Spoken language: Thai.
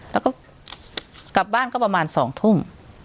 แล้วก็กลับบ้านก็ประมาณ๒ทุ่ม